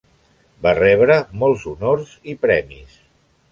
Va rebre molts honors i premis.